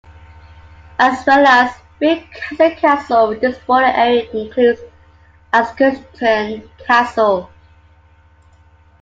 As well as Bewcastle Castle this border area includes Askerton Castle.